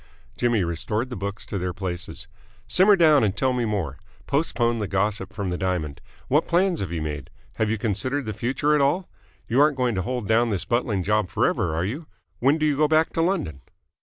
Jimmy restored the books to their places. "Simmer down and tell me more. Postpone the gossip from the diamond. What plans have you made? Have you considered the future at all? You aren't going to hold down this buttling job forever, are you? When do you go back to London?"